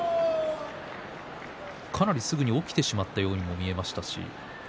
かなりすぐに起きてしまったようにも見えました。